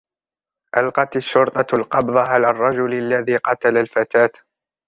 ألقت الشرطة القبض على الرجل الذي قتل الفتاة.